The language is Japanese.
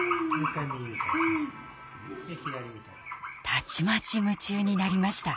たちまち夢中になりました。